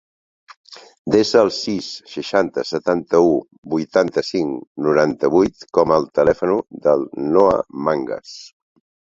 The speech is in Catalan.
Desa el sis, seixanta, setanta-u, vuitanta-cinc, noranta-vuit com a telèfon del Noah Mangas.